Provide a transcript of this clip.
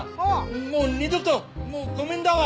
もう二度ともうごめんだわ！